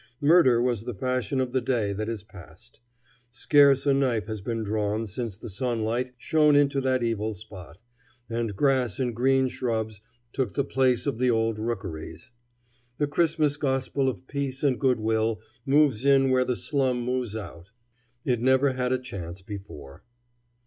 Murder was the fashion of the day that is past. Scarce a knife has been drawn since the sunlight shone into that evil spot, and grass and green shrubs took the place of the old rookeries. The Christmas gospel of peace and good will moves in where the slum moves out. It never had a chance before.